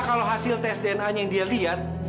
kalau hasil tes dna nya yang dia lihat